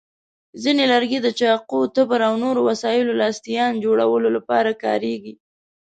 ځینې لرګي د چاقو، تبر، او نورو وسایلو لاستیان جوړولو لپاره کارېږي.